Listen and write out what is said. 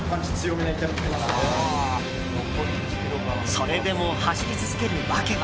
それでも走り続ける訳は。